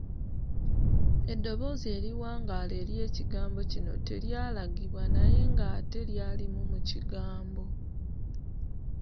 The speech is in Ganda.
Eddoboozi eriwangaala ery'ekigambo kino teryalagibwa naye ng'ate lyalimu mu kigambo.